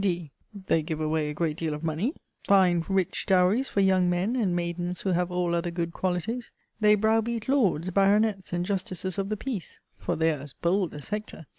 D. They give away a great deal of money; find rich dowries for young men and maidens who have all other good qualities; they brow beat lords, baronets, and justices of the peace, (for they are as bold as Hector!)